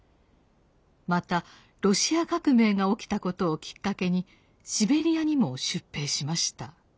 またロシア革命が起きたことをきっかけにシベリアにも出兵しました。